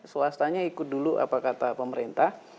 swastanya ikut dulu apa kata pemerintah